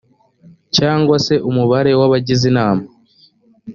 cyangwa se umubare w abagize inama